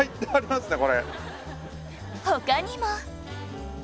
他にも